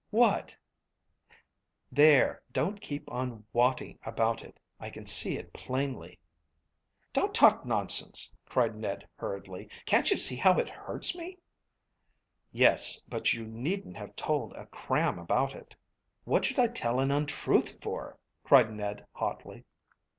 "What?" "There, don't keep on whating about it. I can see it quite plainly." "Don't talk nonsense," cried Ned hurriedly. "Can't you see how it hurts me?" "Yes; but you needn't have told a cram about it." "What should I tell an untruth for?" cried Ned hotly.